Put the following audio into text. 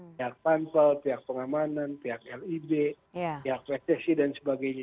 pihak pansel pihak pengamanan pihak lib pihak pssi dan sebagainya